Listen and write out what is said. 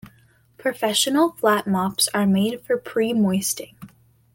Professional flat mops are made for pre-moisting.